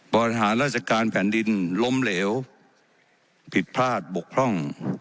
บริหารราชการแผ่นดินล้มเหลวผิดพลาดบกพร่อง